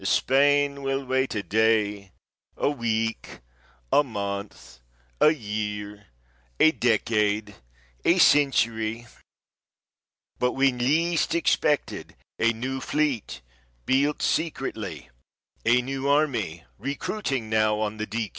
Spain will wait a day, a week, a month, a year, a decade, a century but when least expected, a new fleet, built secretly, a new army, recruiting now on the D.